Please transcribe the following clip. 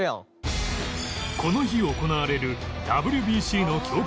この日行われる ＷＢＣ の強化